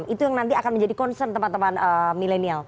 itu yang nanti akan menjadi concern teman teman milenial